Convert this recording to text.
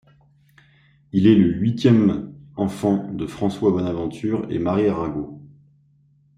Il est le huitième enfant de François Bonaventure et Marie Arago.